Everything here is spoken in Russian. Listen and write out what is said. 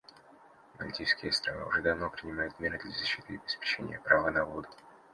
Мальдивские Острова уже давно принимают меры для защиты и обеспечения права на воду.